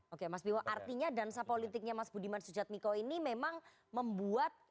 oke mas biwo artinya dansa politiknya mas budiman sujatmiko ini memang membuat